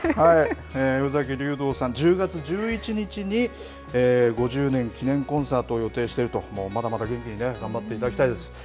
宇崎竜童さん、１０月１１日に５０年記念コンサートを予定しているとまだまだ元気に頑張っていただきたいです。